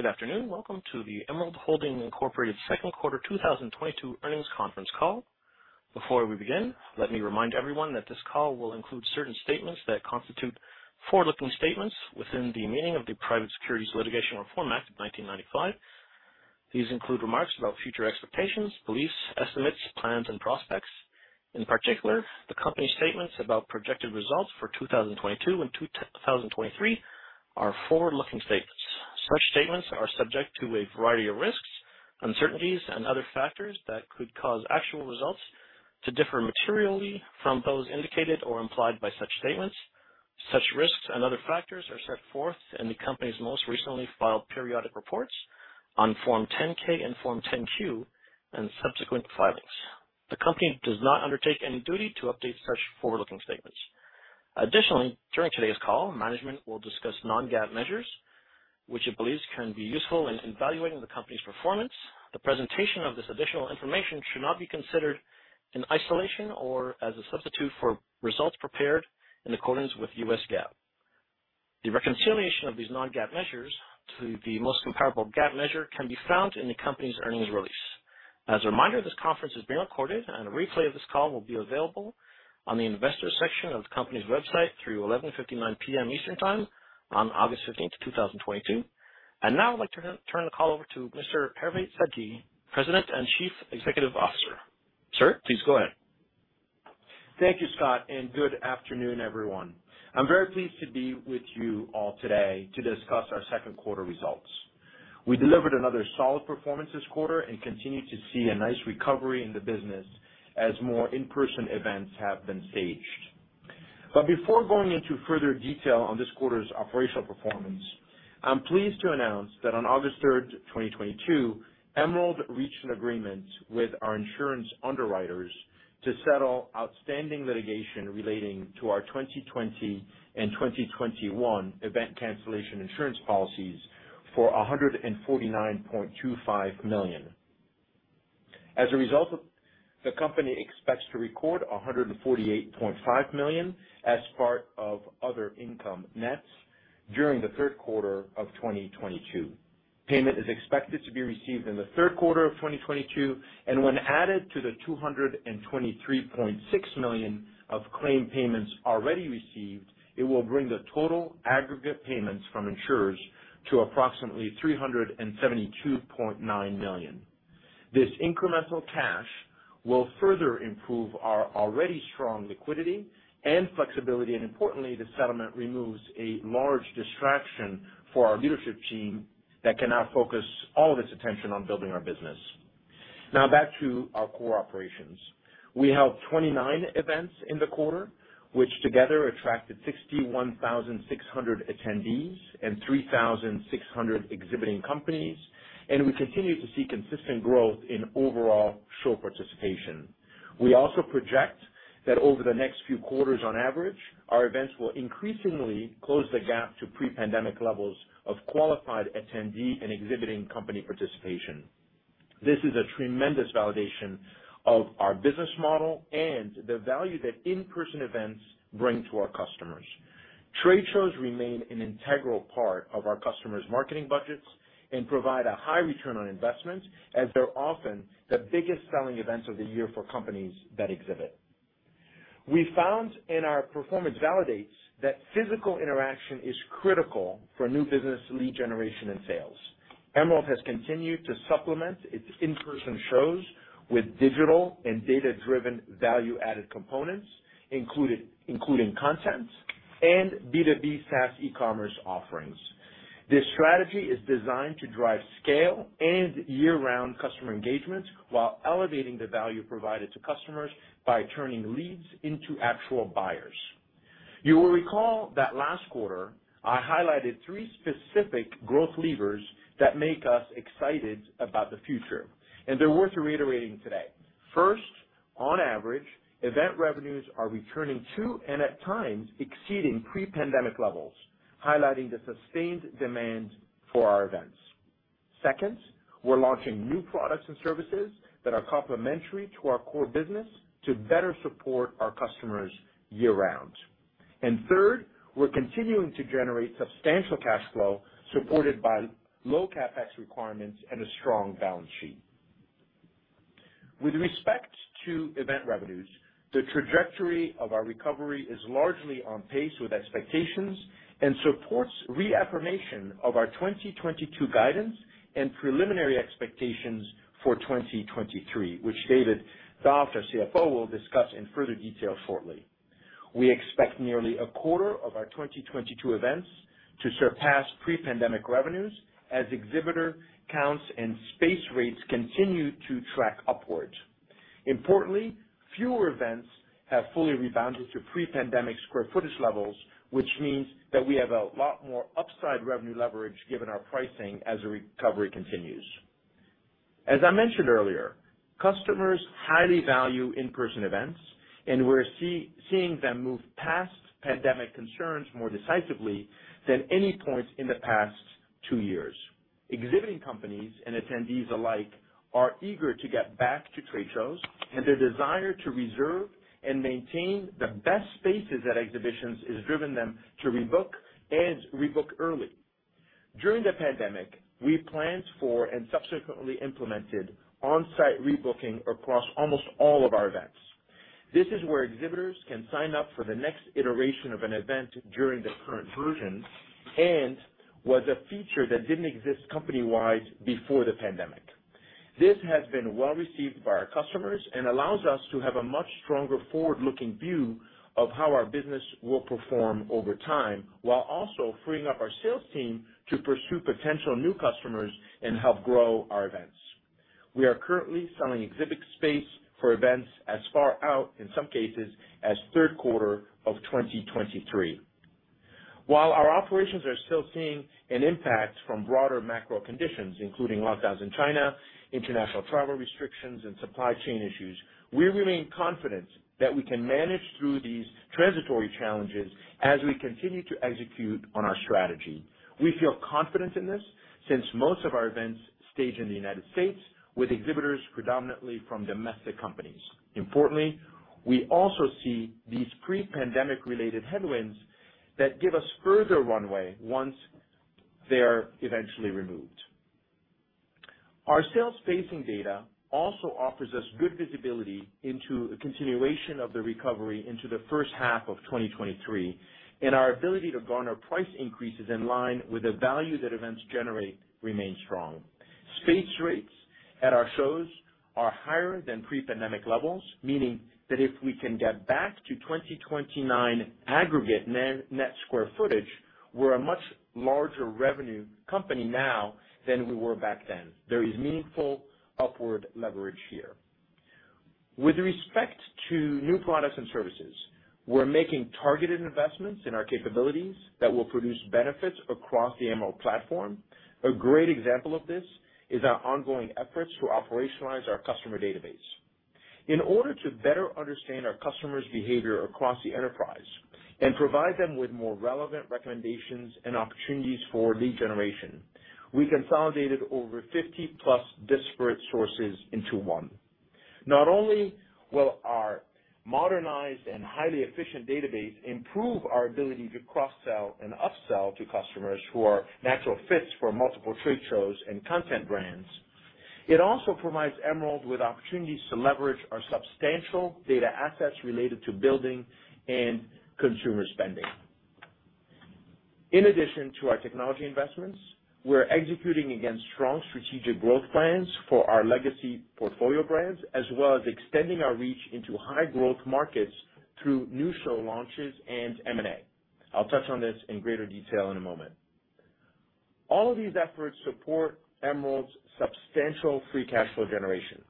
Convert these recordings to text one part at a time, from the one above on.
Good afternoon. Welcome to the Emerald Holding, Inc. Q2 2022 Earnings Conference Call. Before we begin, let me remind everyone that this call will include certain statements that constitute forward-looking statements within the meaning of the Private Securities Litigation Reform Act of 1995. These include remarks about future expectations, beliefs, estimates, plans and prospects. In particular, the company's statements about projected results for 2022 and 2023 are forward-looking statements. Such statements are subject to a variety of risks, uncertainties and other factors that could cause actual results to differ materially from those indicated or implied by such statements. Such risks and other factors are set forth in the company's most recently filed periodic reports on Form 10-K and Form 10-Q and subsequent filings. The company does not undertake any duty to update such forward-looking statements. Additionally, during today's call, management will discuss non-GAAP measures which it believes can be useful in evaluating the company's performance. The presentation of this additional information should not be considered in isolation or as a substitute for results prepared in accordance with U.S. GAAP. The reconciliation of these non-GAAP measures to the most comparable GAAP measure can be found in the company's earnings release. As a reminder, this conference is being recorded and a replay of this call will be available on the investors section of the company's website through 11:59 P.M. Eastern Time on 15 August 2022. Now I'd like to turn the call over to Mr. Hervé Sedky, President and Chief Executive Officer. Sir, please go ahead. Thank you, Scott, and good afternoon, everyone. I'm very pleased to be with you all today to discuss our Q2 results. We delivered another solid performance this quarter and continue to see a nice recovery in the business as more in-person events have been staged. Before going into further detail on this quarter's operational performance, I'm pleased to announce that on 3 August 2022, Emerald reached an agreement with our insurance underwriters to settle outstanding litigation relating to our 2020 and 2021 event cancellation insurance policies for $149.25 million. As a result, the company expects to record $148.5 million as part of other income, net during the Q3 of 2022. Payment is expected to be received in the Q3 of 2022, and when added to the $223.6 million of claim payments already received, it will bring the total aggregate payments from insurers to approximately $372.9 million. This incremental cash will further improve our already strong liquidity and flexibility. Importantly, the settlement removes a large distraction for our leadership team that can now focus all of its attention on building our business. Now back to our core operations. We held 29 events in the quarter, which together attracted 61,600 attendees and 3,600 exhibiting companies, and we continue to see consistent growth in overall show participation. We also project that over the next few quarters, on average, our events will increasingly close the gap to pre-pandemic levels of qualified attendee and exhibiting company participation. This is a tremendous validation of our business model and the value that in-person events bring to our customers. Trade shows remain an integral part of our customers' marketing budgets and provide a high return on investment, as they're often the biggest selling events of the year for companies that exhibit. We found, and our performance validates, that physical interaction is critical for new business lead generation and sales. Emerald has continued to supplement its in-person shows with digital and data-driven value-added components, including content and B2B SaaS e-commerce offerings. This strategy is designed to drive scale and year-round customer engagement while elevating the value provided to customers by turning leads into actual buyers. You will recall that last quarter, I highlighted three specific growth levers that make us excited about the future, and they're worth reiterating today. First, on average, event revenues are returning to and at times exceeding pre-pandemic levels, highlighting the sustained demand for our events. Second, we're launching new products and services that are complementary to our core business to better support our customers year-round. Third, we're continuing to generate substantial cash flow supported by low CapEx requirements and a strong balance sheet. With respect to event revenues, the trajectory of our recovery is largely on pace with expectations and supports reaffirmation of our 2022 guidance and preliminary expectations for 2023, which David Doft, our CFO, will discuss in further detail shortly. We expect nearly a quarter of our 2022 events to surpass pre-pandemic revenues as exhibitor counts and space rates continue to track upward. Importantly, fewer events have fully rebounded to pre-pandemic square footage levels, which means that we have a lot more upside revenue leverage given our pricing as the recovery continues. As I mentioned earlier, customers highly value in-person events, and we're seeing them move past pandemic concerns more decisively than any point in the past two years. Exhibiting companies and attendees alike are eager to get back to trade shows, and their desire to reserve and maintain the best spaces at exhibitions has driven them to rebook early. During the pandemic, we planned for and subsequently implemented on-site rebooking across almost all of our events. This is where exhibitors can sign up for the next iteration of an event during the current version, and was a feature that didn't exist company-wide before the pandemic. This has been well received by our customers and allows us to have a much stronger forward-looking view of how our business will perform over time, while also freeing up our sales team to pursue potential new customers and help grow our events. We are currently selling exhibit space for events as far out, in some cases, as Q3 of 2023. While our operations are still seeing an impact from broader macro conditions, including lockdowns in China, international travel restrictions, and supply chain issues, we remain confident that we can manage through these transitory challenges as we continue to execute on our strategy. We feel confident in this since most of our events stage in the United States with exhibitors predominantly from domestic companies. Importantly, we also see these pre-pandemic related headwinds that give us further runway once they are eventually removed. Our sales spacing data also offers us good visibility into a continuation of the recovery into the first half of 2023, and our ability to garner price increases in line with the value that events generate remains strong. Space rates at our shows are higher than pre-pandemic levels, meaning that if we can get back to 2029 aggregate net net square footage, we're a much larger revenue company now than we were back then. There is meaningful upward leverage here. With respect to new products and services, we're making targeted investments in our capabilities that will produce benefits across the Emerald platform. A great example of this is our ongoing efforts to operationalize our customer database. In order to better understand our customers' behavior across the enterprise and provide them with more relevant recommendations and opportunities for lead generation, we consolidated over 50+ disparate sources into one. Not only will our modernized and highly efficient database improve our ability to cross-sell and upsell to customers who are natural fits for multiple trade shows and content brands, it also provides Emerald with opportunities to leverage our substantial data assets related to building and consumer spending. In addition to our technology investments, we're executing against strong strategic growth plans for our legacy portfolio brands, as well as extending our reach into high-growth markets through new show launches and M&A. I'll touch on this in greater detail in a moment. All of these efforts support Emerald's substantial free cash flow generation.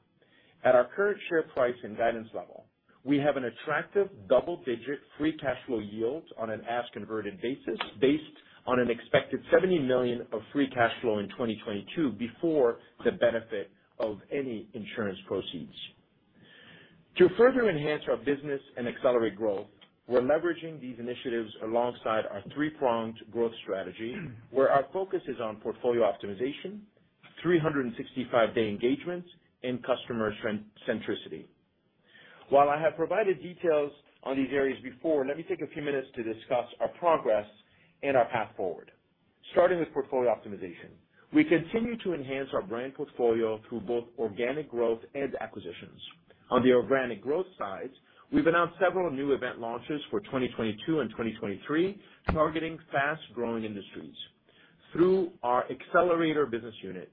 At our current share price and guidance level, we have an attractive double-digit free cash flow yield on an as converted basis based on an expected $70 million of free cash flow in 2022 before the benefit of any insurance proceeds. To further enhance our business and accelerate growth, we're leveraging these initiatives alongside our three-pronged growth strategy, where our focus is on portfolio optimization, 365-day engagements, and customer-centricity. While I have provided details on these areas before, let me take a few minutes to discuss our progress and our path forward. Starting with portfolio optimization. We continue to enhance our brand portfolio through both organic growth and acquisitions. On the organic growth side, we've announced several new event launches for 2022 and 2023, targeting fast-growing industries. Through our accelerator business unit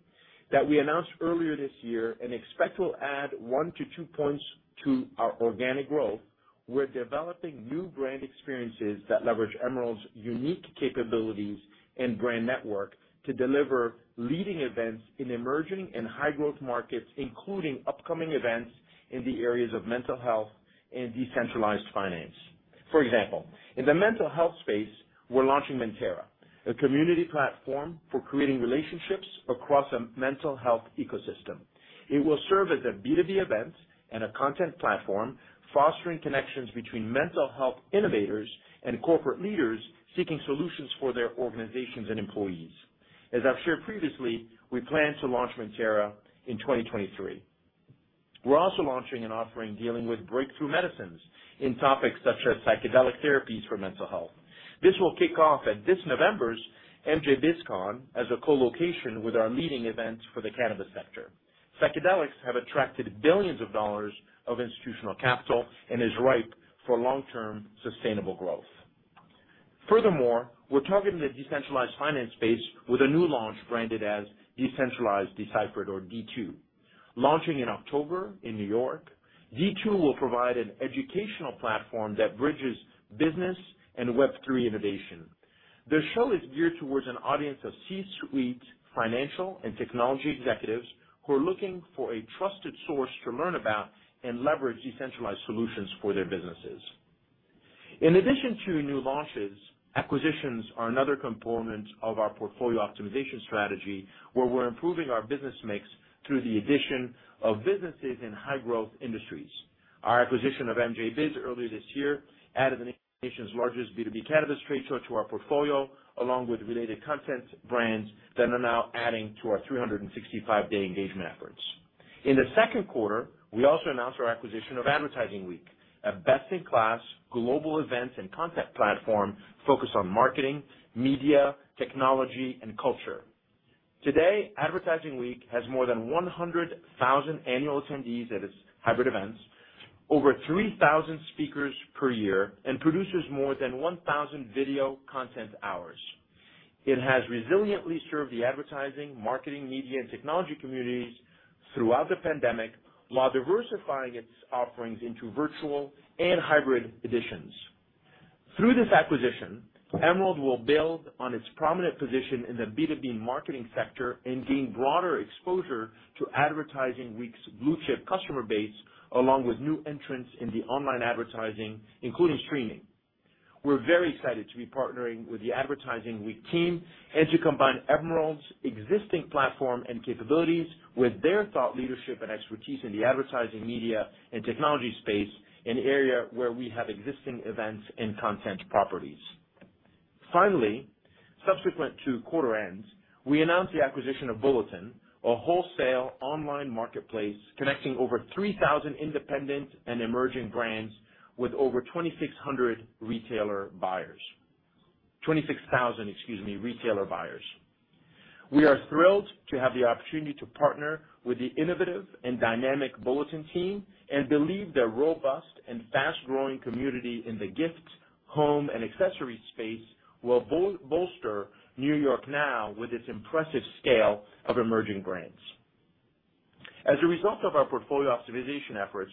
that we announced earlier this year and expect will add one to two points to our organic growth, we're developing new brand experiences that leverage Emerald's unique capabilities and brand network to deliver leading events in emerging and high growth markets, including upcoming events in the areas of mental health and decentralized finance. For example, in the mental health space, we're launching Mentera, a community platform for creating relationships across a mental health ecosystem. It will serve as a B2B event and a content platform, fostering connections between mental health innovators and corporate leaders seeking solutions for their organizations and employees. As I've shared previously, we plan to launch Mentera in 2023. We're also launching an offering dealing with breakthrough medicines in topics such as psychedelic therapies for mental health. This will kick off at this November's MJBizCon as a co-location with our leading events for the cannabis sector. Psychedelics have attracted billions of dollars of institutional capital and is ripe for long-term sustainable growth. Furthermore, we're targeting the decentralized finance space with a new launch branded as Decentralization Deciphered or D2. Launching in October in New York, D2 will provide an educational platform that bridges business and Web3 innovation. The show is geared towards an audience of C-suite financial and technology executives who are looking for a trusted source to learn about and leverage decentralized solutions for their businesses. In addition to new launches, acquisitions are another component of our portfolio optimization strategy, where we're improving our business mix through the addition of businesses in high-growth industries. Our acquisition of MJBiz earlier this year added the nation's largest B2B cannabis trade show to our portfolio, along with related content brands that are now adding to our 365-day engagement efforts. In the Q2, we also announced our acquisition of Advertising Week, a best-in-class global events and content platform focused on marketing, media, technology, and culture. Today, Advertising Week has more than 100,000 annual attendees at its hybrid events, over 3,000 speakers per year, and produces more than 1,000 video content hours. It has resiliently served the advertising, marketing, media, and technology communities throughout the pandemic, while diversifying its offerings into virtual and hybrid editions. Through this acquisition, Emerald will build on its prominent position in the B2B marketing sector and gain broader exposure to Advertising Week's blue-chip customer base, along with new entrants in the online advertising, including streaming. We're very excited to be partnering with the Advertising Week team and to combine Emerald's existing platform and capabilities with their thought leadership and expertise in the advertising, media, and technology space, an area where we have existing events and content properties. Finally, subsequent to quarter ends, we announced the acquisition of Bulletin, a wholesale online marketplace connecting over 3,000 independent and emerging brands with over 26,000 retailer buyers. We are thrilled to have the opportunity to partner with the innovative and dynamic Bulletin team and believe their robust and fast-growing community in the gift, home, and accessory space will bolster NY NOW with its impressive scale of emerging brands. As a result of our portfolio optimization efforts,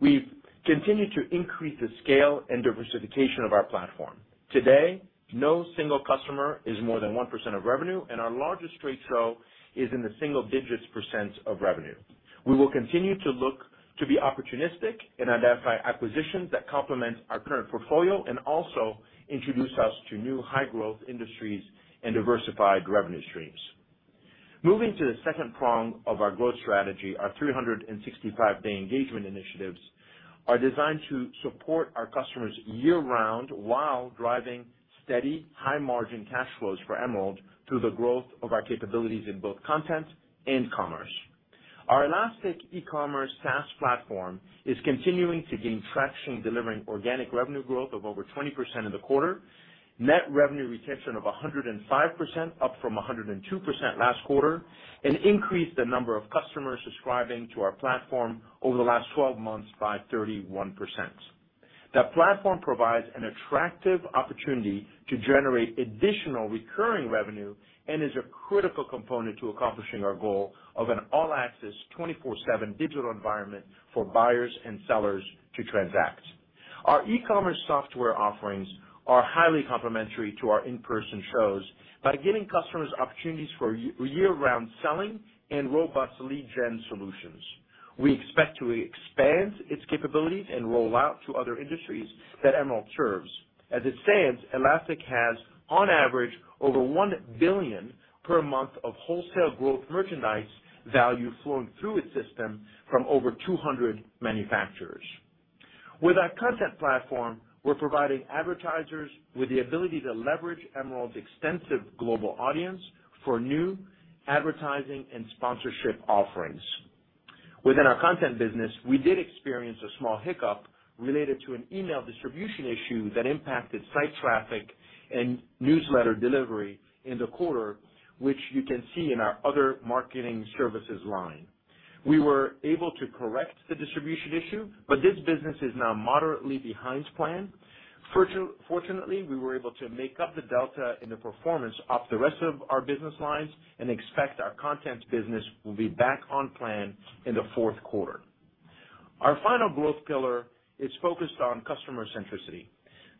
we've continued to increase the scale and diversification of our platform. Today, no single customer is more than 1% of revenue, and our largest trade show is in the single-digits percent of revenue. We will continue to look to be opportunistic and identify acquisitions that complement our current portfolio and also introduce us to new high-growth industries and diversified revenue streams. Moving to the second prong of our growth strategy, our 365-day engagement initiatives are designed to support our customers year-round while driving steady, high-margin cash flows for Emerald through the growth of our capabilities in both content and commerce. Our Elastic E-commerce SaaS platform is continuing to gain traction, delivering organic revenue growth of over 20% in the quarter, net revenue retention of 105%, up from 102% last quarter, and increased the number of customers subscribing to our platform over the last 12 months by 31%. That platform provides an attractive opportunity to generate additional recurring revenue and is a critical component to accomplishing our goal of an all-access, 24/7 digital environment for buyers and sellers to transact. Our E-commerce software offerings are highly complementary to our in-person shows by giving customers opportunities for year-round selling and robust lead gen solutions. We expect to expand its capabilities and roll out to other industries that Emerald serves. As it stands, Elastic has, on average, over $1 billion per month of wholesale Gross Merchandise Value flowing through its system from over 200 manufacturers. With our content platform, we're providing advertisers with the ability to leverage Emerald's extensive global audience for new advertising and sponsorship offerings. Within our content business, we did experience a small hiccup related to an email distribution issue that impacted site traffic and newsletter delivery in the quarter, which you can see in our other marketing services line. We were able to correct the distribution issue, but this business is now moderately behind plan. Fortunately, we were able to make up the delta in the performance of the rest of our business lines and expect our content business will be back on plan in the Q4. Our final growth pillar is focused on customer centricity.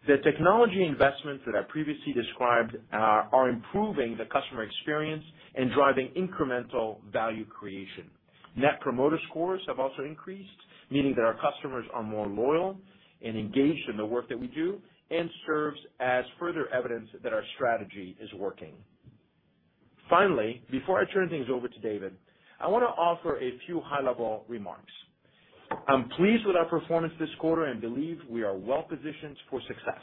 The technology investments that I previously described are improving the customer experience and driving incremental value creation. Net Promoter Scores have also increased, meaning that our customers are more loyal and engaged in the work that we do, and serves as further evidence that our strategy is working. Finally, before I turn things over to David, I wanna offer a few high-level remarks. I'm pleased with our performance this quarter and believe we are well-positioned for success.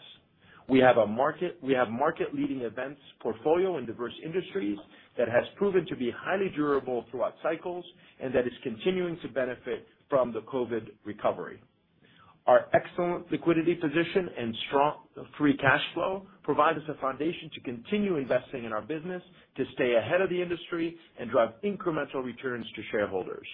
We have market-leading events portfolio in diverse industries that has proven to be highly durable throughout cycles and that is continuing to benefit from the COVID recovery. Our excellent liquidity position and strong free cash flow provide us a foundation to continue investing in our business, to stay ahead of the industry, and drive incremental returns to shareholders.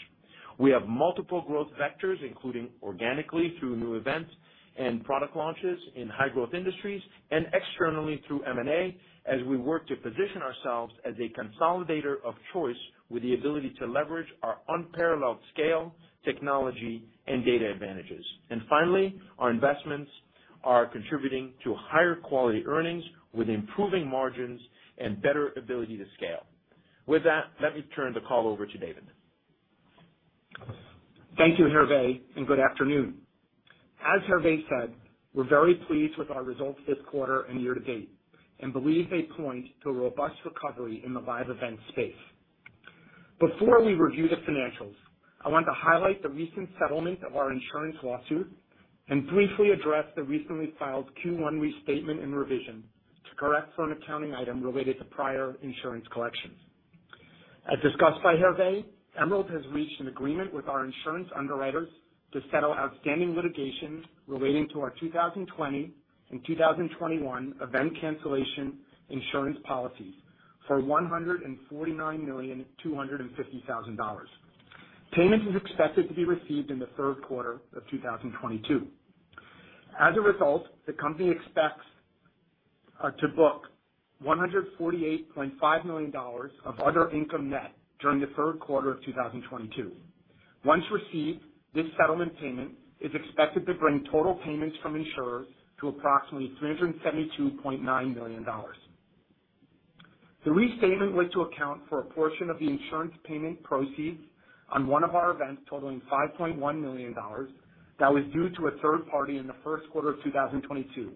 We have multiple growth vectors, including organically through new events and product launches in high-growth industries and externally through M&A as we work to position ourselves as a consolidator of choice with the ability to leverage our unparalleled scale, technology, and data advantages. Finally, our investments are contributing to higher quality earnings with improving margins and better ability to scale. With that, let me turn the call over to David. Thank you, Hervé, and good afternoon. As Hervé said, we're very pleased with our results this quarter and year-to-date, and believe they point to a robust recovery in the live event space. Before we review the financials, I want to highlight the recent settlement of our insurance lawsuit and briefly address the recently filed Q1 restatement and revision. To correct for an accounting item related to prior insurance collections. As discussed by Hervé, Emerald has reached an agreement with our insurance underwriters to settle outstanding litigation relating to our 2020 and 2021 event cancellation insurance policies for $149.25 million. Payment is expected to be received in the Q3 of 2022. As a result, the company expects to book $148.5 million of other income net during the Q3 of 2022. Once received, this settlement payment is expected to bring total payments from insurers to approximately $372.9 million. The restatement was to account for a portion of the insurance payment proceeds on one of our events totaling $5.1 million that was due to a third party in the Q1 of 2022,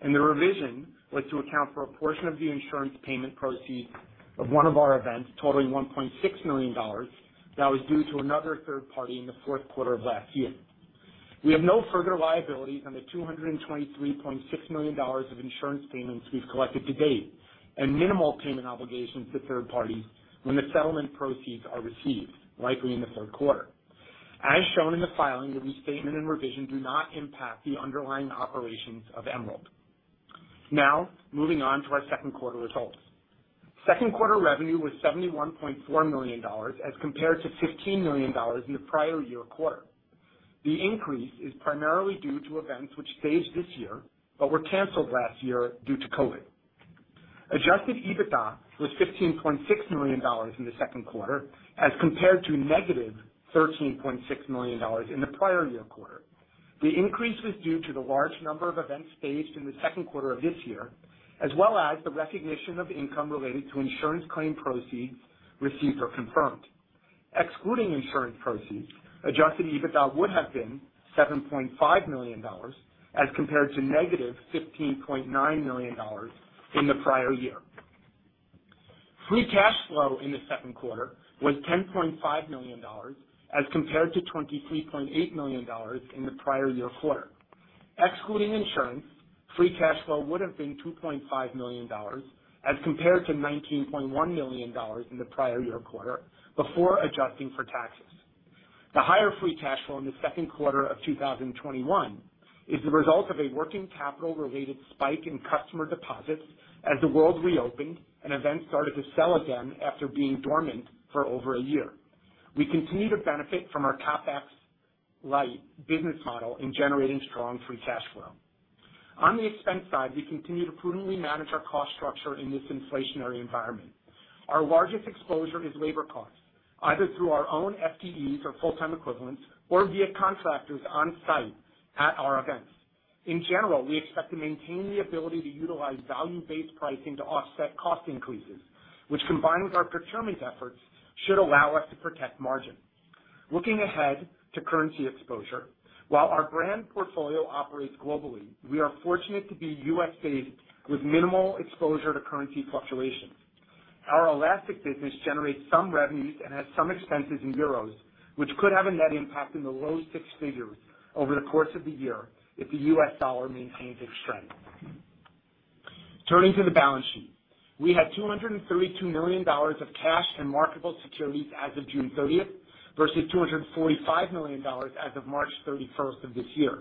and the revision was to account for a portion of the insurance payment proceeds of one of our events totaling $1.6 million that was due to another third party in the Q4 of last year. We have no further liabilities on the $223.6 million of insurance payments we've collected to date and minimal payment obligations to third parties when the settlement proceeds are received, likely in the Q3. As shown in the filing, the restatement and revision do not impact the underlying operations of Emerald. Now, moving on to our Q2 results. Q2 revenue was $71.4 million, as compared to $15 million in the prior year quarter. The increase is primarily due to events which we staged this year, but were canceled last year due to COVID. Adjusted EBITDA was $15.6 million in the Q2, as compared to -$13.6 million in the prior year quarter. The increase was due to the large number of events staged in the Q2 of this year, as well as the recognition of income related to insurance claim proceeds received or confirmed. Excluding insurance proceeds, Adjusted EBITDA would have been $7.5 million, as compared to -$15.9 million in the prior year. Free cash flow in the Q2 was $10.5 million, as compared to $23.8 million in the prior year quarter. Excluding insurance, free cash flow would have been $2.5 million, as compared to $19.1 million in the prior year quarter before adjusting for taxes. The higher free cash flow in the Q2 of 2021 is the result of a working capital-related spike in customer deposits as the world reopened and events started to sell again after being dormant for over a year. We continue to benefit from our CapEx light business model in generating strong free cash flow. On the expense side, we continue to prudently manage our cost structure in this inflationary environment. Our largest exposure is labor costs, either through our own FTEs or full-time equivalents, or via contractors on site at our events. In general, we expect to maintain the ability to utilize value-based pricing to offset cost increases, which combined with our procurement efforts, should allow us to protect margin. Looking ahead to currency exposure, while our brand portfolio operates globally, we are fortunate to be U.S.-based with minimal exposure to currency fluctuations. Our Elastic Suite business generates some revenues and has some expenses in euros, which could have a net impact in the low six figures over the course of the year if the U.S. dollar maintains its strength. Turning to the balance sheet. We had $232 million of cash and marketable securities 30 June 2022 versus $245 million as of 31 March of this year.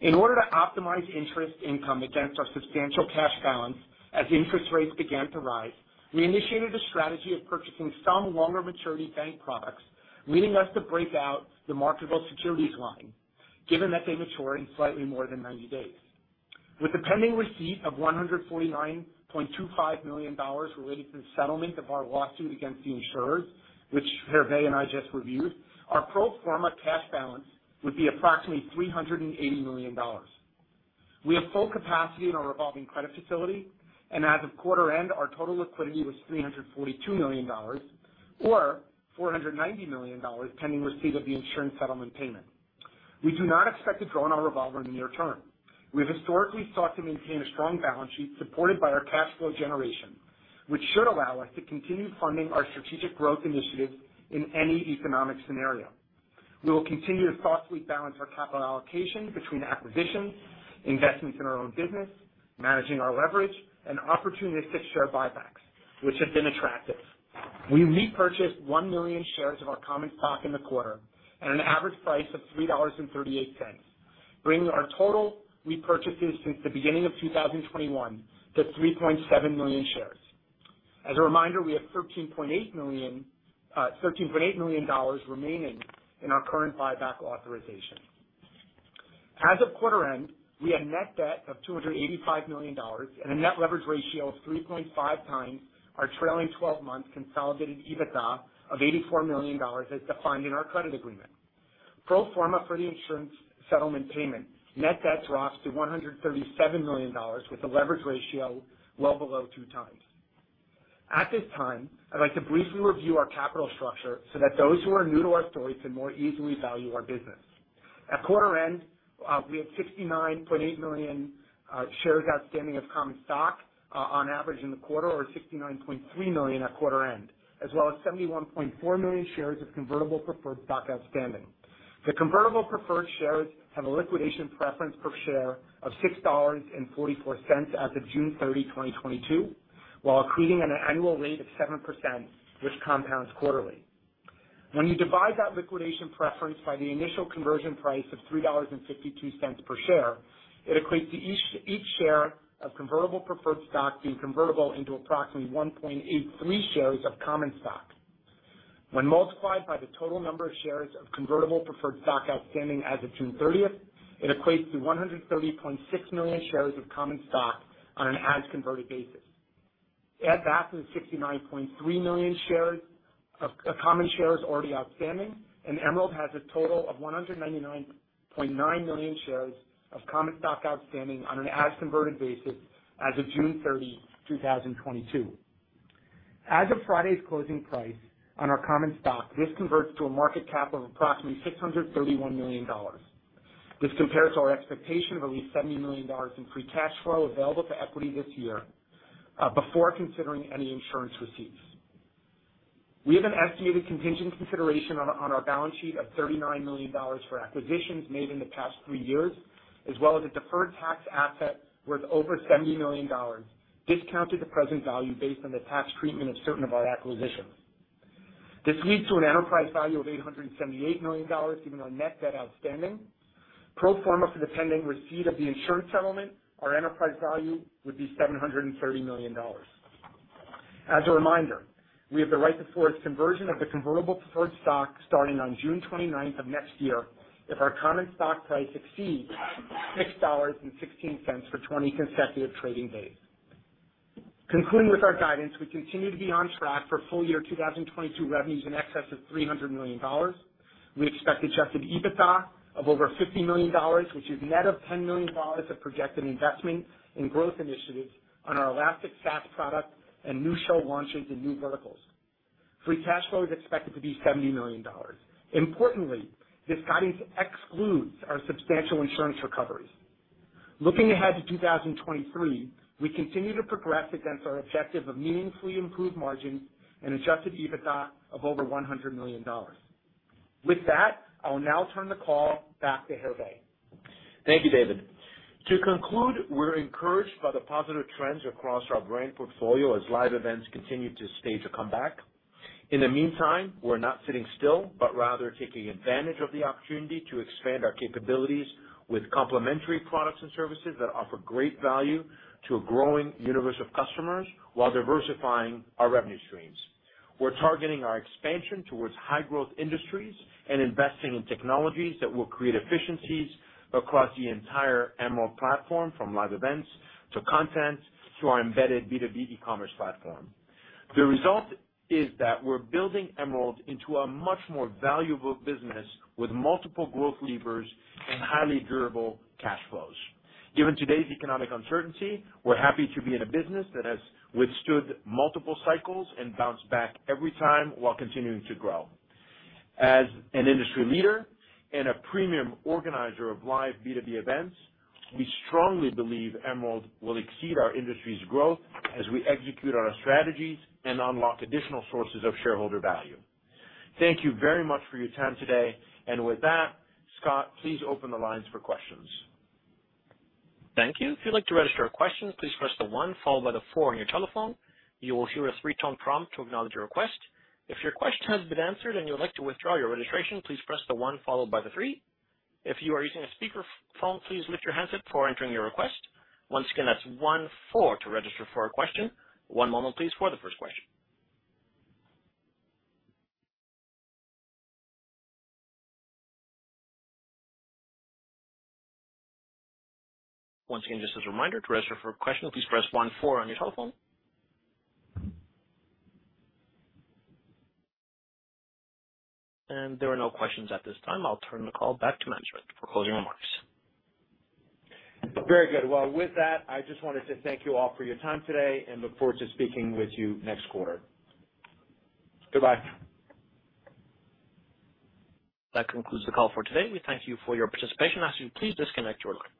In order to optimize interest income against our substantial cash balance as interest rates began to rise, we initiated a strategy of purchasing some longer maturity bank products, leading us to break out the marketable securities line given that they mature in slightly more than 90 days. With the pending receipt of $149.25 million related to the settlement of our lawsuit against the insurers, which Hervé and I just reviewed, our pro forma cash balance would be approximately $380 million. We have full capacity in our revolving credit facility, and as of quarter end, our total liquidity was $342 million or $490 million pending receipt of the insurance settlement payment. We do not expect to draw on our revolver in the near term. We have historically sought to maintain a strong balance sheet supported by our cash flow generation, which should allow us to continue funding our strategic growth initiatives in any economic scenario. We will continue to thoughtfully balance our capital allocation between acquisitions, investments in our own business, managing our leverage and opportunistic share buybacks, which have been attractive. We repurchased one million shares of our common stock in the quarter at an average price of $3.38, bringing our total repurchases since the beginning of 2021 to 3.7 million shares. As a reminder, we have $13.8 million remaining in our current buyback authorization. As of quarter end, we had net debt of $285 million and a net leverage ratio of 3.5x our trailing 12-month consolidated EBITDA of $84 million as defined in our credit agreement. Pro forma for the insurance settlement payment, net debt drops to $137 million with a leverage ratio well below two times. At this time, I'd like to briefly review our capital structure so that those who are new to our story can more easily value our business. At quarter end, we had 69.8 million shares outstanding of common stock on average in the quarter, or 69.3 million at quarter end, as well as 71.4 million shares of convertible preferred stock outstanding. The convertible preferred shares have a liquidation preference per share of $6.44 as of 30 June 2022, while accruing an annual rate of 7%, which compounds quarterly. When you divide that liquidation preference by the initial conversion price of $3.52 per share, it equates to each share of convertible preferred stock being convertible into approximately 1.83 shares of common stock. When multiplied by the total number of shares of convertible preferred stock outstanding 30 June 2022, it equates to 130.6 million shares of common stock on an as converted basis. Add that to the 69.3 million shares of common shares already outstanding, and Emerald has a total of 199.9 million shares of common stock outstanding on an as converted basis as of 30 June 2022. As of Friday's closing price on our common stock, this converts to a market cap of approximately $631 million. This compares to our expectation of at least $70 million in free cash flow available to equity this year, before considering any insurance receipts. We have an estimated contingent consideration on our balance sheet of $39 million for acquisitions made in the past three years, as well as a deferred tax asset worth over $70 million, discounted to present value based on the tax treatment of certain of our acquisitions. This leads to an enterprise value of $878 million, given our net debt outstanding. Pro forma for the pending receipt of the insurance settlement, our enterprise value would be $730 million. As a reminder, we have the right to force conversion of the convertible preferred stock starting on 29 June 2022 if our common stock price exceeds $6.16 for 20 consecutive trading days. Concluding with our guidance, we continue to be on track for full year 2022 revenues in excess of $300 million. We expect Adjusted EBITDA of over $50 million, which is net of $10 million of projected investment in growth initiatives on our Elastic Suite and new show launches in new verticals. Free cash flow is expected to be $70 million. Importantly, this guidance excludes our substantial insurance recoveries. Looking ahead to 2023, we continue to progress against our objective of meaningfully improved margins and Adjusted EBITDA of over $100 million. With that, I will now turn the call back to Hervé. Thank you, David. To conclude, we're encouraged by the positive trends across our brand portfolio as live events continue to stage a comeback. In the meantime, we're not sitting still, but rather taking advantage of the opportunity to expand our capabilities with complementary products and services that offer great value to a growing universe of customers while diversifying our revenue streams. We're targeting our expansion towards high growth industries and investing in technologies that will create efficiencies across the entire Emerald platform, from live events to content to our embedded B2B E-commerce platform. The result is that we're building Emerald into a much more valuable business with multiple growth levers and highly durable cash flows. Given today's economic uncertainty, we're happy to be in a business that has withstood multiple cycles and bounced back every time while continuing to grow. As an industry leader and a premium organizer of live B2B events, we strongly believe Emerald will exceed our industry's growth as we execute on our strategies and unlock additional sources of shareholder value. Thank you very much for your time today. With that, Scott, please open the lines for questions. Thank you. If you'd like to register a question, please press the one followed by the four on your telephone. You will hear a three-tone prompt to acknowledge your request. If your question has been answered and you would like to withdraw your registration, please press the one followed by the three. If you are using a speaker phone, please lift your handset before entering your request. Once again, that's one-four to register for a question. One moment, please, for the first question. Once again, just as a reminder, to register for a question, please press one-four on your telephone. There are no questions at this time. I'll turn the call back to management for closing remarks. Very good. Well, with that, I just wanted to thank you all for your time today and look forward to speaking with you next quarter. Goodbye. That concludes the call for today. We thank you for your participation and ask you to please disconnect your line.